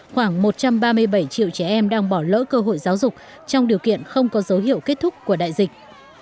khoảng một trăm ba mươi bảy triệu trẻ em đang bỏ lỡ cơ hội giáo dục trong điều kiện không có dấu hiệu kết thúc của đại dịch